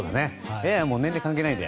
いやいや年齢関係ないよ。